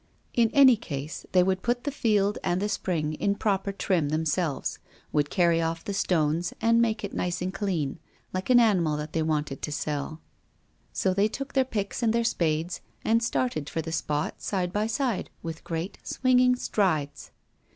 In any case, they would put the field and the spring in proper trim themselves, would carry off the stones, and make it nice and clean, like an animal that they wanted to sell. So they took their picks and their spades, and started for the spot side by side with great, swinging strides.